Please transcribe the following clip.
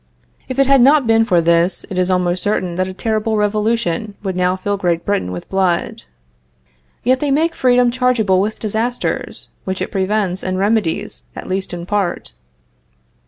If it had not been for this, it is almost certain that a terrible revolution would now fill Great Britain with blood. Yet they make freedom chargeable with disasters, which it prevents and remedies, at least in part.